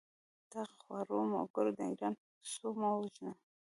دغه خوار وګړي د ايران په پېسو مه وژنه!